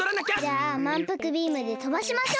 じゃあまんぷくビームでとばしましょう！